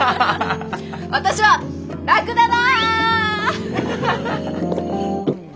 私はラクダだ！